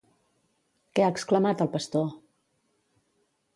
Què ha exclamat el pastor?